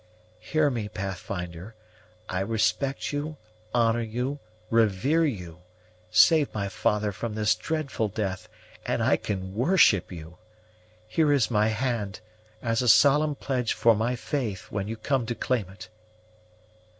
"Hear me, Pathfinder, I respect you, honor you, revere you; save my father from this dreadful death, and I can worship you. Here is my hand, as a solemn pledge for my faith, when you come to claim it."